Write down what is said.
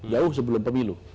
jauh sebelum pemilu